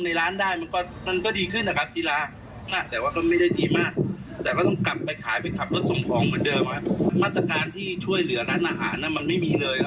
เปิดครับเปิดเพราะยังไงเรามันต้องสู้อ่ะครับคือเอาง่ายใช้คำนี้เลย